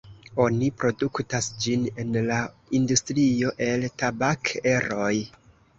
Oni produktas ĝin en la industrio el tabak-eroj.